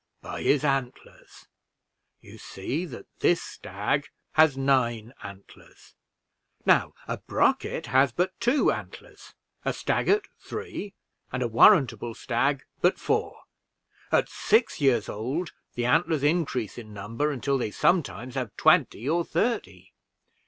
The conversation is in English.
"By his antlers: you see that this stag has nine antlers; now, a brocket has but two antlers, a staggart three, and a warrantable stag but four; at six years old, the antlers increase in number until they sometimes have twenty or thirty.